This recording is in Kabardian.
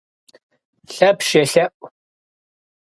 Лъэпщ елъэӀу.